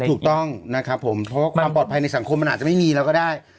ถูกต้องนะครับผมเพราะว่าความปลอดภัยในสังคมมันอาจจะไม่มีแล้วก็ได้